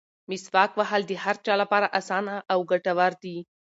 مسواک وهل د هر چا لپاره اسانه او ګټور دي.